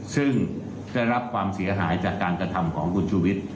ซึ่งได้รับความเสียหายจากการกระทำของคุณชูวิทย์